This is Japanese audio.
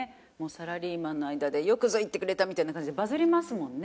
サラリーマンの間で「よくぞ言ってくれた！」みたいな感じでバズりますもんね。